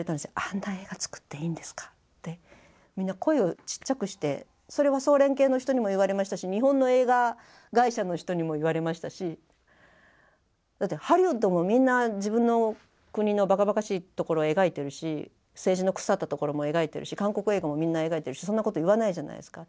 「あんな映画作っていいんですか」ってみんな声をちっちゃくしてそれは総連系の人にも言われましたし日本の映画会社の人にも言われましたしだってハリウッドもみんな自分の国のバカバカしいところを描いてるし政治の腐ったところも描いてるし韓国映画もみんな描いてるしそんなこと言わないじゃないですか。